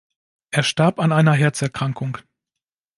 Er starb an einer Herzerkrankung.